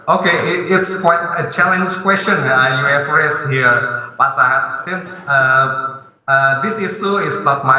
oke ini adalah pertanyaan yang cukup menantang